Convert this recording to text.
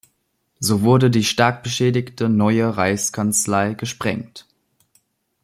So wurde die stark beschädigte Neue Reichskanzlei gesprengt.